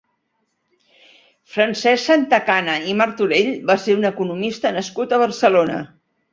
Francesc Santacana i Martorell va ser un economista nascut a Barcelona.